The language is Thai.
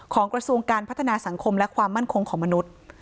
กระทรวงการพัฒนาสังคมและความมั่นคงของมนุษย์